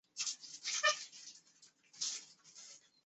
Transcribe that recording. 钝叶树棉为锦葵科棉属下的一个变种。